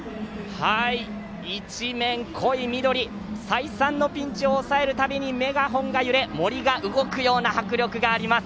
一面濃い緑再三のピンチを抑えるたびメガホンが揺れ森が動くような迫力があります